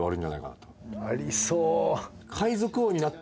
ありそう！